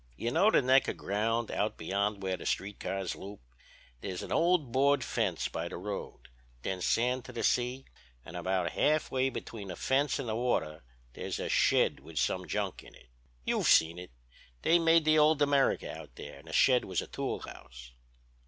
You know the neck of ground out beyond where the street cars loop; there's an old board fence by the road, then sand to the sea, and about halfway between the fence and the water there's a shed with some junk in it. You've seen it. They made the old America out there and the shed was a tool house.